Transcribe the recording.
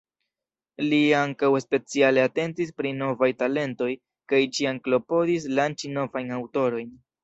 Li ankaŭ speciale atentis pri novaj talentoj kaj ĉiam klopodis lanĉi novajn aŭtorojn.